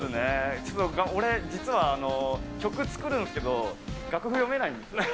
ちょっと俺、実は曲作るんすけど、楽譜読めないんですよ。